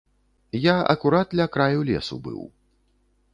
Я акурат ля краю лесу быў.